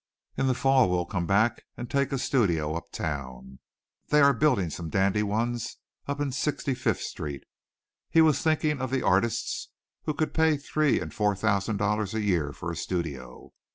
In the fall we'll come back and take a studio up town. They are building some dandy ones up in Sixty fifth Street." He was thinking of the artists who could pay three and four thousand dollars a year for a studio.